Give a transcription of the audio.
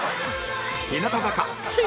日向坂